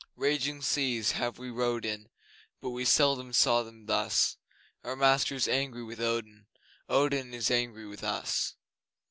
Raging seas have we rowed in, But we seldom saw them thus; Our master is angry with Odin Odin is angry with us!